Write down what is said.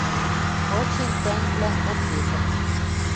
Вычен тӓнгвлӓн ответӹм.